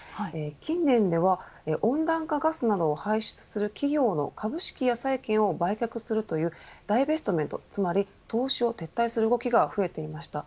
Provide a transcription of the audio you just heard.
近年では温暖化ガスなどを排出する企業の株式や債券を売却するというダイベストメント、つまり投資を撤退する動きが増えていました。